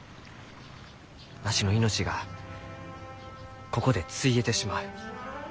わしの命がここでついえてしまう。